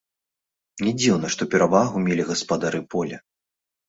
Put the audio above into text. Не дзіўна, што перавагу мелі гаспадары поля.